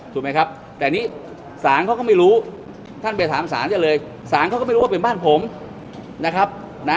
แต่นี้สารเขาก็ไม่รู้ท่านไปถามสารก็เลยสารเขาก็ไม่รู้ว่าเป็นบ้านผมนะครับ